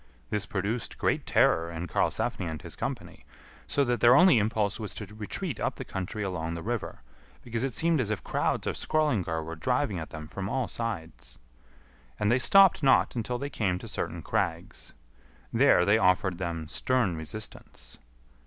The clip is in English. This produced great terror in Karlsefni and his company, so that their only impulse was to retreat up the country along the river, because it seemed as if crowds of Skrœlingar were driving at them from all sides. And they stopped not until they came to certain crags. There they offered them stern resistance.